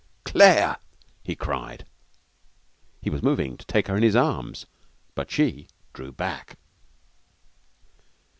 'Claire!' he cried. He was moving to take her in his arms, but she drew back.